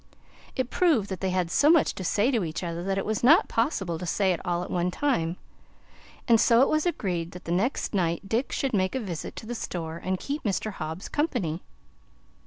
It proved that they had so much to say to each other that it was not possible to say it all at one time, and so it was agreed that the next night Dick should make a visit to the store and keep Mr. Hobbs company.